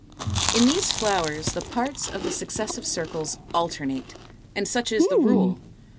= In these flowers the parts of the successive circles alternate; and such is the rule.